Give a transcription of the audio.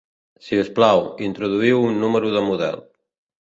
Si us plau, introduïu un número de model.